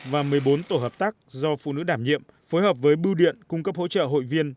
và một mươi bốn tổ hợp tác do phụ nữ đảm nhiệm phối hợp với bưu điện cung cấp hỗ trợ hội viên